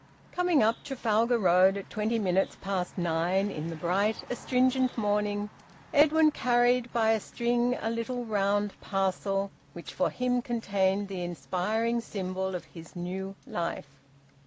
Coming up Trafalgar Road at twenty minutes past nine in the bright, astringent morning, Edwin carried by a string a little round parcel which for him contained the inspiring symbol of his new life.